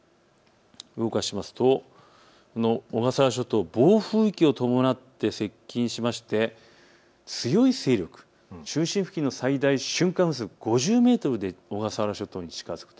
動かしますと小笠原諸島、暴風域を伴って接近しまして強い勢力、中心付近の最大瞬間風速５０メートルで小笠原諸島に近づく。